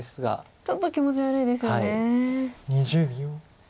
ちょっと気持ち悪いですよね。